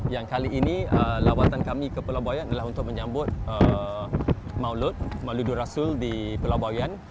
yang kali ini lawatan kami ke pulau bawean adalah untuk menyambut maulid maulidur rasul di pulau bawean